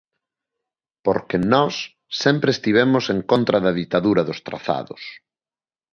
Porque nós sempre estivemos en contra da ditadura dos trazados.